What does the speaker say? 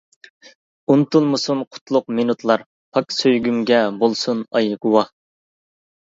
ئۇنتۇلمىسۇن قۇتلۇق مىنۇتلار، پاك سۆيگۈمگە بولسۇن ئاي گۇۋاھ.